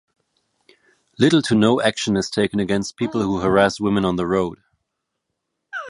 Little to no action is taken against people who harass women on the road.